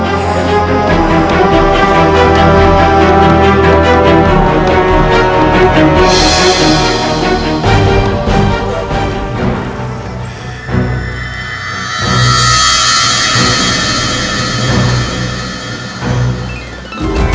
kau di mana raka